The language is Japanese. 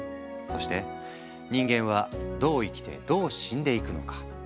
そして人間はどう生きてどう死んでいくのか？